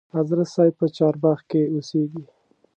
حضرت صاحب په چارباغ کې اوسیږي.